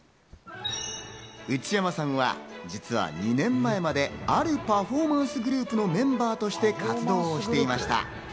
内山さんは、実は２年前まであるパフォーマンスグループのメンバーとして活動をしていました。